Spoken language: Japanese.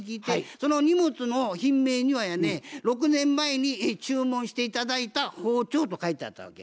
その荷物の品名にはやね「６年前に注文して頂いた包丁」と書いてあったわけ。